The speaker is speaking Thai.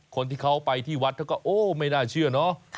คนที่เขาไปที่วัดเขาก็โอ้ไม่น่าเชื่อเนอะ